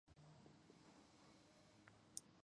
日式叉烧通常会用作日本拉面的配料。